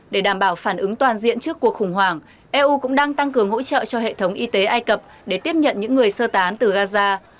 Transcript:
để đảm bảo phản ứng toàn diện trước cuộc khủng hoảng eu cũng đang tăng cường hỗ trợ cho hệ thống y tế ai cập để tiếp nhận những người sơ tán từ gaza